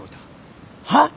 はっ！？